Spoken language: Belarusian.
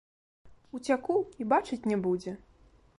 Уцяку, і бачыць не будзе!